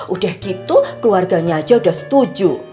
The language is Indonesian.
udah gitu keluarganya aja udah setuju